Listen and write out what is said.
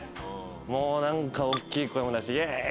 もうおっきい声も出してイェーイ！